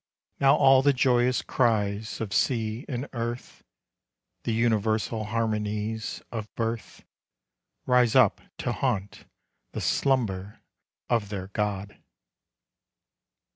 Now ;ill the joyous cries of sea and earth, universal harmonies of birth, ■ up to haunt the slumber of their god.